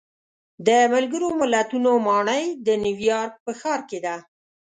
د ملګرو ملتونو ماڼۍ د نیویارک په ښار کې ده.